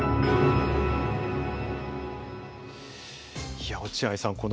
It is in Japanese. いや落合さん